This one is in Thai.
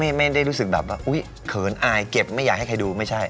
ไม่ได้รู้สึกแบบว่าอุ๊ยเขินอายเก็บไม่อยากให้ใครดูไม่ใช่